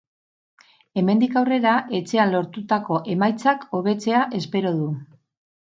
Hemendik aurrera etxean lortutako emaitzak hobetzea espero du.